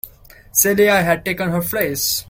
Celia had taken her place.